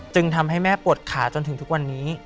จึงทำให้แม่ปวดขาจนถึงทุกวันนี้